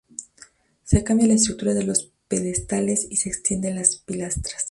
Se cambia la estructura de los pedestales y se extiende las pilastras.